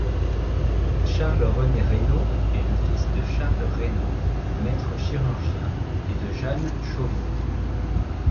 Charles-René Reyneau est le fils de Charles Reyneau, maître chirurgien, et de Jeanne Chauveau.